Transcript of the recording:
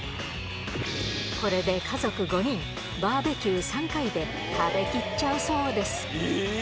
これで家族５人、バーベキュー３回で食べ切っちゃうそうです。